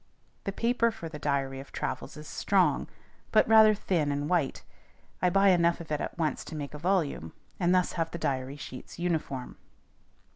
The paper for the diary of travels is strong, but rather thin and white. I buy enough of it at once to make a volume, and thus have the diary sheets uniform.